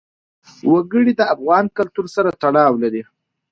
وګړي د افغان کلتور سره تړاو لري.